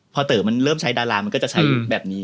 พอเต๋อมันเริ่มใช้ดารามันก็จะใช้แบบนี้